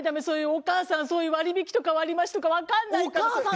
そういうお母さんそういう割引とか割増とかわかんないから。